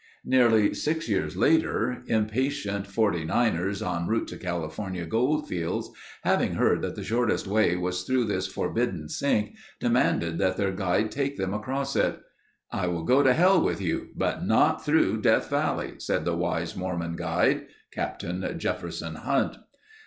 Nearly six years later, impatient Forty Niners enroute to California gold fields, having heard that the shortest way was through this forbidden sink, demanded that their guide take them across it. "I will go to hell with you, but not through Death Valley," said the wise Mormon guide, Captain Jefferson Hunt.